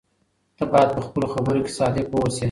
ته باید په خپلو خبرو کې صادق واوسې.